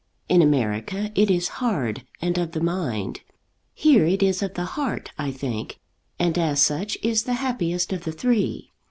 In America it is hard, and of the mind. Here it is of the heart, I think, and as such is the happiest of the three.